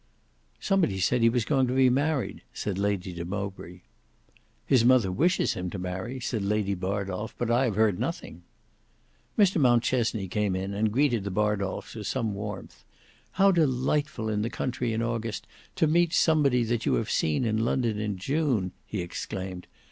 "Somebody said he was going to be married," said Lady de Mowbray. "His mother wishes him to marry," said Lady Bardolf; "but I have heard nothing." Mr Mountchesney came in and greeted the Bardolfs with some warmth. "How delightful in the country in August to meet somebody that you have seen in London in June!" he exclaimed.